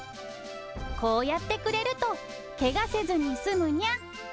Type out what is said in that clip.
こうやってくれるとけがせずに済むにゃ。